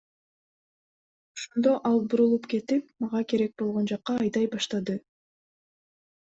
Ошондо ал бурулуп кетип, мага керек болгон жакка айдай баштады.